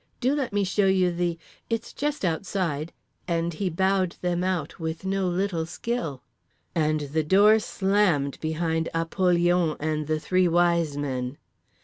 Do let me show you the—it's just outside—" and he bowed them out with no little skill. And the door SLAMMED behind Apollyon and the Three Wise Men.